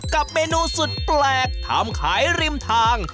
กับเมนูสุดแปลกทำขายริมทาง